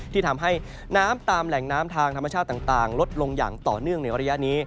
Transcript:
ที่ทำให้น้ำตามแหล่งน้ำทางธรรมชาติต่างลดลงอย่างต่อเนื่องในระยะนี้